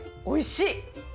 おいしい！